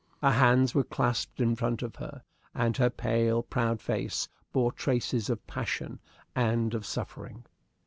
Her hands were clasped in front of her, and her pale, proud face bore traces of passion and of suffering.